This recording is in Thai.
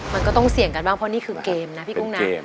มันก็ต้องเสี่ยงกันบ้างเพราะนี่คือเกมนะพี่กุ้งนะ